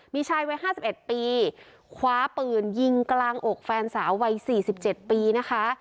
มีชายวัยห้าสิบเอ็ดปีคว้าปืนยิงกลางอกแฟนสาววัยสี่สิบเจ็ดปีนะคะ